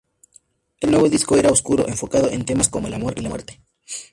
El nuevo disco era oscuro, enfocado en temas como el amor y la muerte.